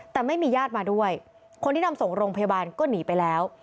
แต่ไม่มีญาติมาด้วยคนที่นำส่งโรงพยาบาลก็หนีไปแล้ว